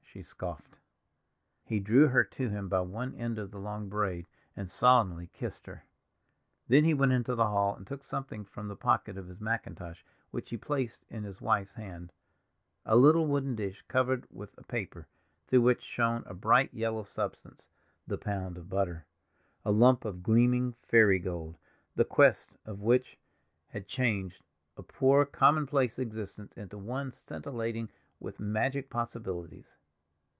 she scoffed. He drew her to him by one end of the long braid, and solemnly kissed her. Then he went into the hall and took something from the pocket of his mackintosh which he placed in his wife's hand—a little wooden dish covered with a paper, through which shone a bright yellow substance—the pound of butter, a lump of gleaming fairy gold, the quest of which had changed a poor, commonplace existence into one scintillating with magic possibilities.